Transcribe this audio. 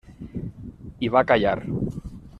I va callar.